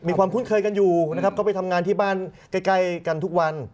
คุ้นเคยกันอยู่นะครับก็ไปทำงานที่บ้านใกล้กันทุกวัน